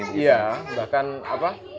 bahkan dulu jika controversy escape mengenai mas